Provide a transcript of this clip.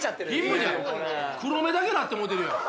黒目だけになってもうてるやん。